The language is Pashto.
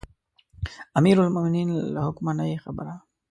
امیرالمؤمنین له حکمه نه یې خبره.